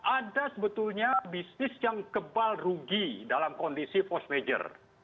ada sebetulnya bisnis yang kebal rugi dalam kondisi force major